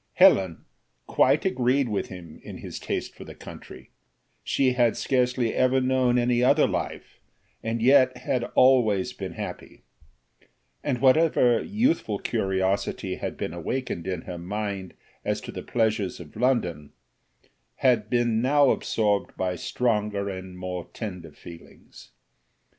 Helen quite agreed with him in his taste for the country; she had scarcely ever known any other life, and yet had always been happy; and whatever youthful curiosity had been awakened in her mind as to the pleasures of London, had been now absorbed by stronger and more tender feelings.